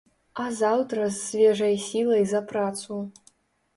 А заўтра з свежай сілай за працу.